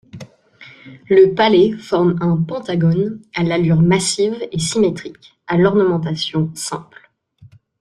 Le palais forme un pentagone à l'allure massive et symétrique, à l'ornementation simple.